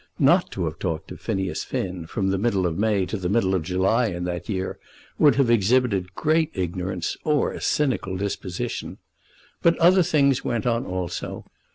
Not to have talked of Phineas Finn from the middle of May to the middle of July in that year would have exhibited great ignorance or a cynical disposition. But other things went on also.